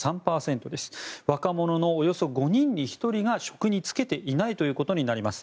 若者のおよそ５人に１人が職に就けていないということになります。